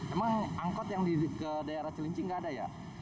emang angkot yang di daerah celinci gak ada ya